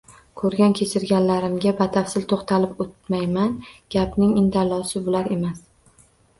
Ko`rgan-kechirganlarimga batafsil to`xtalib o`tmayman, gapning indallosi bular emas